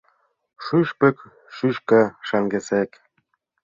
Шӱшпык шӱшка шаҥгысек.